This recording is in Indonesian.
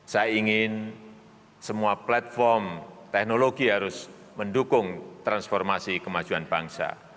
saya ingin semua platform teknologi harus mendukung transformasi kemajuan bangsa